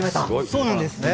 そうなんですね。